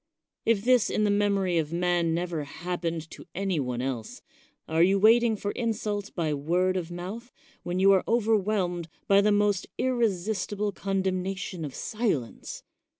If this in the memory of man never happened to any one else, are you waiting for insults by word of mouth, when you are overwhelmed by the most irresistible condemnation of silence?